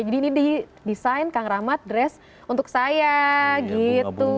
jadi ini di desain kang rahmat dress untuk saya gitu